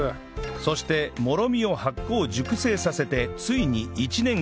そしてもろみを発酵熟成させてついに１年後